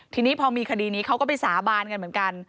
ทีนี้พอมีคดีนี้เขาก็ไปสาบานกันเหมือนกัน